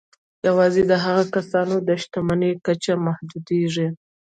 یوازې د هغو کسانو د شتمني کچه محدودېږي